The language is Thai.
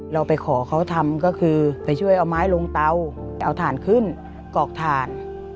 เราไปขอเขาทำก็คือไปช่วยเอาไม้ลงเตาเอาถ่านขึ้นกรอกถ่าน